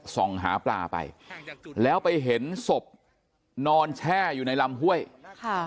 ส่องหาปลาไปแล้วไปเห็นศพนอนแช่อยู่ในลำห้วยค่ะ